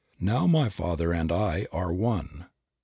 Now my Father and I are one.